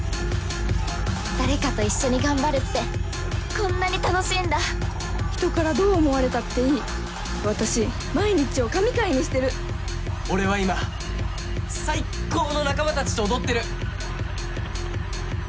誰かと一緒に頑張るってこんなに楽しいんだ人からどう思われたっていい私毎日を神回にしてる俺は今最っ高の仲間たちと踊ってる